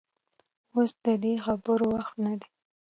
اوس د دې خبرو وخت نه دى.